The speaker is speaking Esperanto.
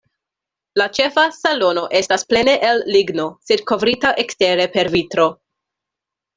La ĉefa salono estas plene el ligno, sed kovrita ekstere per vitro.